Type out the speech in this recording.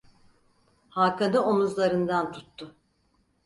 Hakan'ı omuzlarından tuttu.